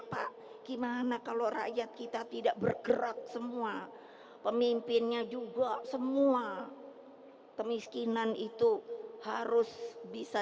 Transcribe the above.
pak gimana kalau rakyat kita tidak bergerak semua pemimpinnya juga semua kemiskinan itu harus bisa